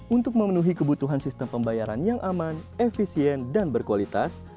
untuk memenuhi kebutuhan sistem pembayaran yang aman efisien dan berkualitas